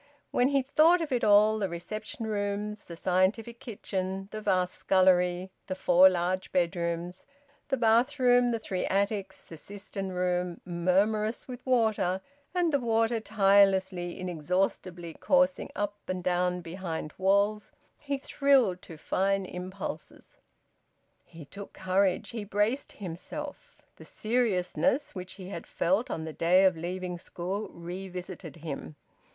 When he thought of it all, the reception rooms, the scientific kitchen, the vast scullery, the four large bedrooms, the bathroom, the three attics, the cistern room murmurous with water, and the water tirelessly, inexhaustibly coursing up and down behind walls he thrilled to fine impulses. He took courage. He braced himself. The seriousness which he had felt on the day of leaving school revisited him.